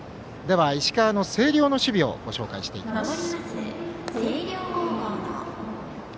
石川の星稜の守備をご紹介していきます。